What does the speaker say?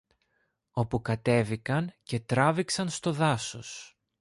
όπου κατέβηκαν και τράβηξαν στο δάσος.